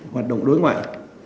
hoạt động đối ngoại